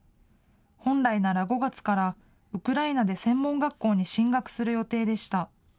本来なら５月からウクライナで専門学校に進学する予定でした。